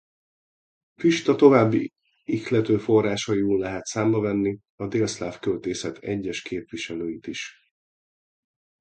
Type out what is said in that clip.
Fishta további ihlető forrásaiul lehet számba venni a délszláv költészet egyes képviselőit is.